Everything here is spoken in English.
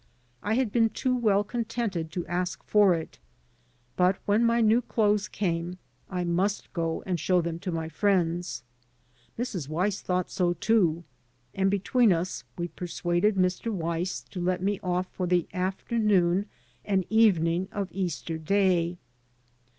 I had been too well contented to ask for it. But when my new clothes came I must go and show them to my friends. Mrs. Weiss thought so, too; and between us we persuaded Mr. Weiss to let me off for the afternoon and evening of Easter Day.